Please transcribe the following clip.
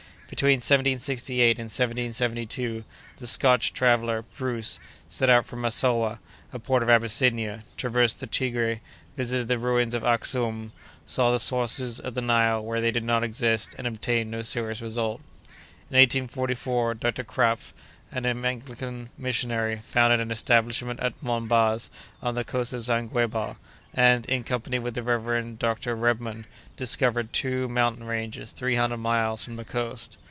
Between 1768 and 1772 the Scotch traveller, Bruce, set out from Massowah, a port of Abyssinia, traversed the Tigre, visited the ruins of Axum, saw the sources of the Nile where they did not exist, and obtained no serious result. In 1844, Dr. Krapf, an Anglican missionary, founded an establishment at Monbaz, on the coast of Zanguebar, and, in company with the Rev. Dr. Rebmann, discovered two mountain ranges three hundred miles from the coast.